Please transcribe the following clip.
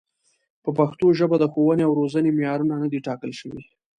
په پښتو ژبه د ښوونې او روزنې معیارونه نه دي ټاکل شوي.